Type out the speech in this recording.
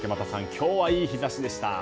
今日はいい日差しでした。